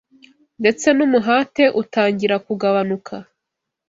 ndetse n’umuhate utangira kugabanuka